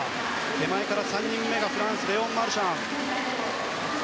手前から３人目がフランスレオン・マルシャン。